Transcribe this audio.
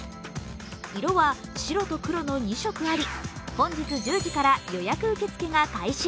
色は白と黒の２色あり、本日１０時から予約受付が開始。